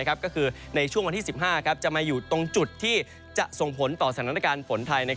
ก็คือในช่วงวันที่๑๕จะมาอยู่ตรงจุดที่จะส่งผลต่อสถานการณ์ฝนไทย